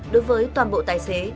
đối với toàn bộ tài xế